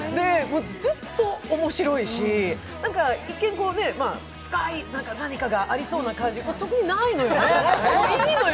ずっと面白いし、一見、深い何かがありそうでね、特にないのよね。